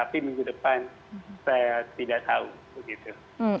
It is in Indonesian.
tapi minggu depan saya tidak tahu begitu